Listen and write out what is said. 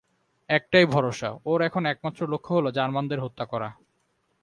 একটাই ভরসা, ওর এখন একমাত্র লক্ষ্য হল জার্মানদের হত্যা করা।